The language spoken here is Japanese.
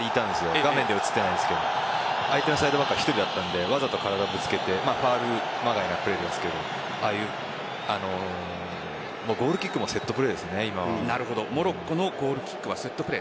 画面に映っていないんですが相手のサイドバックは１人だったのでわざと体をぶつけてファウルまがいのプレーですがゴールキックもモロッコのゴールキックはセットプレー。